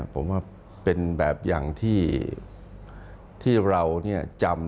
ผมว่าเป็นแบบอย่างที่เราจำ